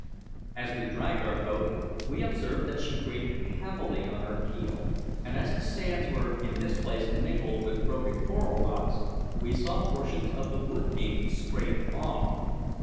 As we dragged our boat, we observed that she grated heavily on her keel; and as the sands were in this place mingled with broken coral rocks, we saw portions of the wood being scraped off.